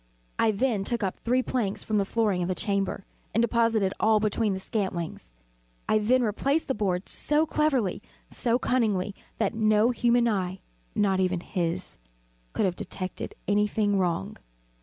I then took up three planks from the flooring of the chamber, and deposited all between the scantlings. I then replaced the boards so cleverly, so cunningly, that no human eye not even his could have detected any thing wrong.